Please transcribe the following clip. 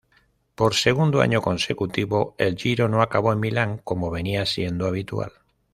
Por segundo año consecutivo el Giro no acabó en Milán como venía siendo habitual.